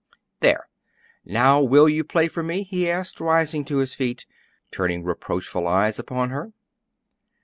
"There! Now will you play for me?" he asked, rising to his feet, and turning reproachful eyes upon her.